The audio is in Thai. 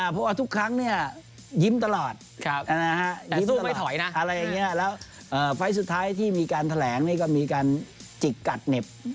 เพราะว่าทุกครั้งเนี่ยยิ้มตลอดยังสู้ไม่ถอยนะอะไรอย่างนี้แล้วไฟล์สุดท้ายที่มีการแถลงนี่ก็มีการจิกกัดเหน็บ